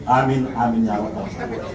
amin amin ya allah